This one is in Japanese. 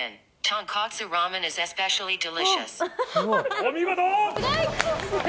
お見事！